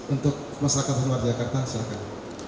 untuk masyarakat di luar jakarta silakan